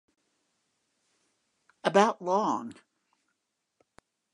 About long.